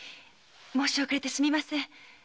申し遅れてすみません。